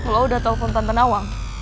lo udah telepon tante nawang